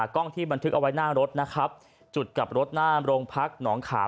กล้องที่บันทึกเอาไว้หน้ารถนะครับจุดกลับรถหน้าโรงพักหนองขาม